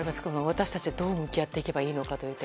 私たちがどう向き合っていけばいいのかという点。